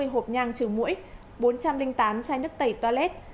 ba tám trăm bốn mươi hộp nhang trừ mũi bốn trăm linh tám chai nước tẩy toilet